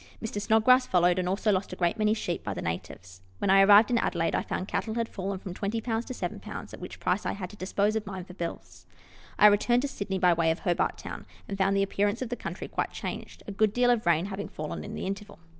Mr. Snodgrass followed, and also lost a great many sheep by the natives. When I arrived in Adelaide, I found cattle had fallen from 20 to 7, at which price I had to dispose of mine for bills. I returned to Sydney by way of Hobart Town, and found the appearance of the country quite changed, a good deal of rain having fallen in the interval.